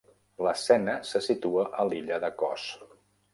L'escena se situa a l'illa de Kos.